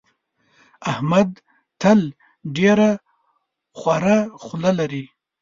احمد تل ډېره خوره خوله لري.